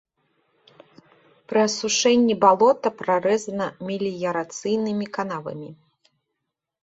Пры асушэнні балота прарэзана меліярацыйнымі канавамі.